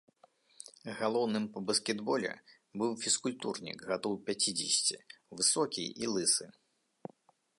Галоўным па баскетболе быў фізкультурнік гадоў пяцідзесяці, высокі і лысы.